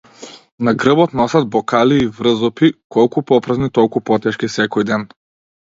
На грбот носат бокали и врзопи, колку попразни толку потешки секој ден.